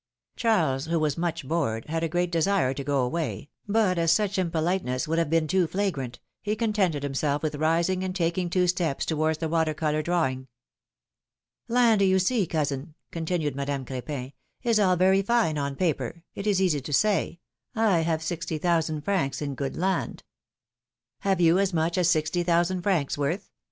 Charles, who was much bored, had a great desire to go away, but as such impoliteness would have been too flagrant, he contented himself with rising and taking two steps towards the water color drawing. ^^Land, you see, cousin," continued Madame Cr^pin, is all very fine on paper — it is easy to say —^ I have sixty thousand francs in good land —'" '^Have you as much as sixty thousand francs worth?"